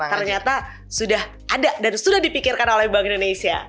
ternyata sudah ada dan sudah dipikirkan oleh bank indonesia